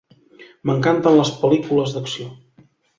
M'encanten les pel·lícules d'acció.